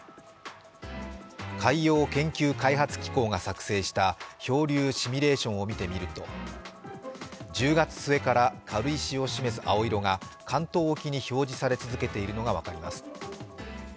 海洋研究開発機構が作成した漂流シミュレーションを見てみると、１０月末から軽石を示す青色が関東沖に表示され続けていることが分かります。